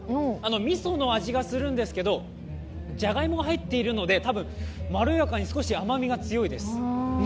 みその味がするんですけどじゃがいもが入っているので、多分、まろやかに、少し甘みが強いです。